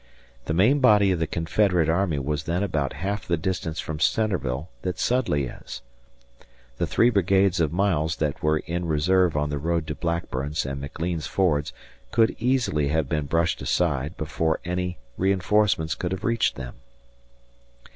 The main body of the Confederate army was then about half the distance from Centreville that Sudley is. The three brigades of Miles that were in reserve on the road to Blackburn'sand McLean's fords could easily have been brushed aside before any reinforcements could have reached them.